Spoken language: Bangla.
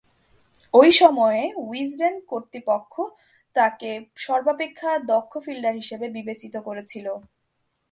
ঐ সময়ে উইজডেন কর্তৃপক্ষ তাকে সর্বাপেক্ষা দক্ষ ফিল্ডার হিসেবে বিবেচিত করেছিল।